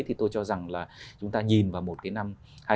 thì tôi cho rằng là chúng ta nhìn vào một cái năm